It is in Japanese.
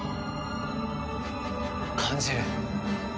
感じる。